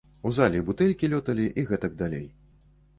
У залі бутэлькі лёталі і гэтак далей.